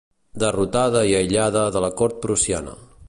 Derrotada i aïllada de la cort prussiana.